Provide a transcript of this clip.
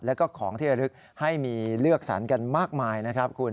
แล้วก็ของที่ระลึกให้มีเลือกสรรกันมากมายนะครับคุณ